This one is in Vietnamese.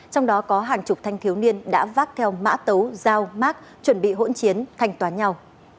trong đó có hàng chục thanh thiếu niên đã vác theo mã tấu dao mát chuẩn bị hỗn chiến thanh toán nhau